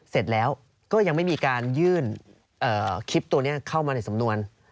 เสร็จแล้วก็ยังไม่มีการยื่นคลิปตัวนี้เข้ามาในสำนวน